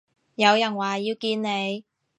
有人話要見你